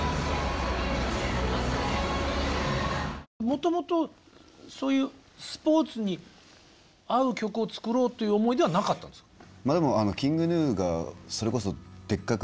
もともとそういうスポーツに合う曲を作ろうという思いではなかったんですか？